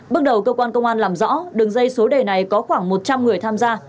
bước đầu cơ quan công an làm rõ đường dây số đề này có khoảng một trăm linh người tham gia